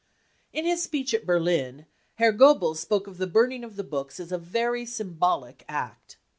In his speech at Berlin, Herr Goebbels spoke of the burn ing of the books as " a very symbolical act.